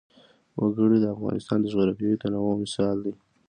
وګړي د افغانستان د جغرافیوي تنوع مثال دی.